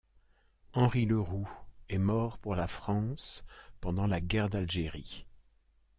Henri Le Roux est mort pour la France pendant la Guerre d'Algérie.